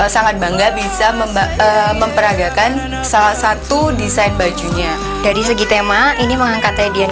sangat bangga bisa memperagakan salah satu desain bajunya dari segi tema ini mengangkatnya dian